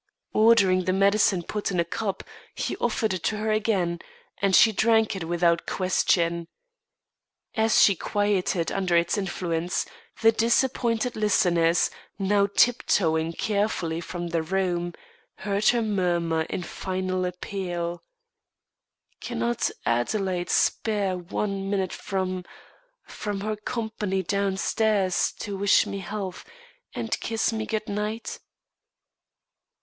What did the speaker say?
Ordering the medicine put in a cup, he offered it to her again, and she drank it without question. As she quieted under its influence, the disappointed listeners, now tip toeing carefully from the room, heard her murmur in final appeal: "Cannot Adelaide spare one minute from from her company downstairs, to wish me health and kiss me good night?"